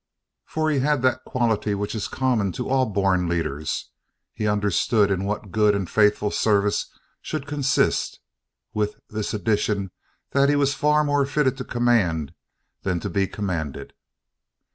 For he had that quality which is common to all born leaders: he understood in what good and faithful service should consist; with this addition, that he was far more fitted to command than to be commanded.